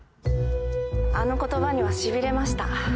あの言葉にはしびれました。